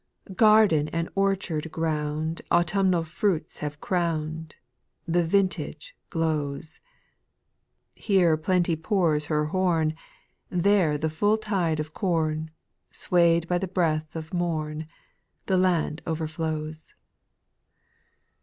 2. Garden and orchard ground Autumnal fruits have crown'd, The vintage glows ; Here plenty pours her horn, There the full tide of com, Sway'd by the breath of morn, The land overflows. SPIRITUAL SONGS.